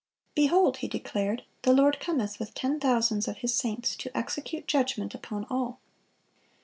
"Behold," he declared, "the Lord cometh with ten thousands of His saints, to execute judgment upon all."